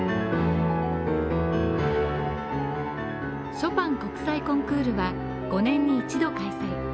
ショパン国際コンクールは５年に一度開催。